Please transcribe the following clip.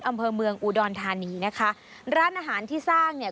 อำเภอเมืองอุดรธานีนะคะร้านอาหารที่สร้างเนี่ย